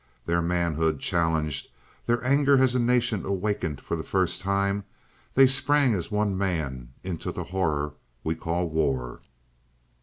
Their manhood challenged, their anger as a nation awakened for the first time, they sprang as one man into the horror we call war.